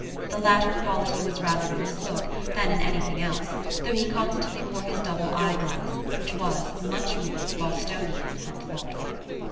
The latter quality was rather in his look than in anything else, though he constantly wore his double eye glass, which was, much more, Bostonian and thoughtful.